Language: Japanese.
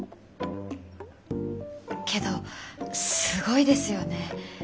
けどすごいですよね。